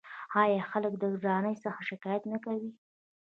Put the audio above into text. آیا خلک د ګرانۍ څخه شکایت نه کوي؟